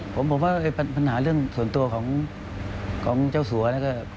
ผมบอกว่าปัญหาเรื่องส่วนตัวของเจ้าสัวน